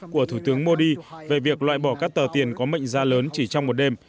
của thủ tướng modi về việc loại bỏ các tờ tiền có mệnh ra lớn chỉ trong một đêm